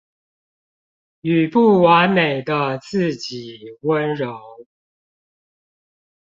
與不完美的自己溫柔